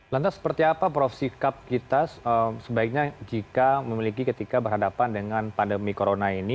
lantas seperti apa prof sikap kita sebaiknya jika memiliki ketika berhadapan dengan pandemi corona ini